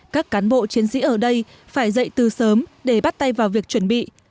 các cán bộ chiến sĩ ở đây phải dậy từ sớm để bắt tay vào việc chuẩn bị